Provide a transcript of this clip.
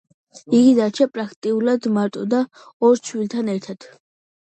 იგი დარჩა პრაქტიკულად მარტო ორ შვილთან ერთად.